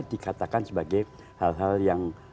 dikatakan sebagai hal hal yang